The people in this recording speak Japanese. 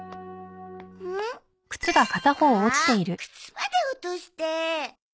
ああ靴まで落として。